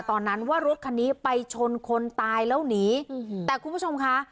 ตอนนั้นว่ารถคันนี้ไปชนคนตายแล้วหนีแต่คุณผู้ชมค่ะ